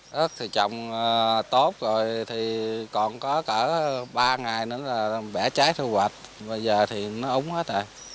rất thì trồng tốt rồi thì còn có cả ba ngày nữa là bẻ trái thu hoạch bây giờ thì nó ống hết tè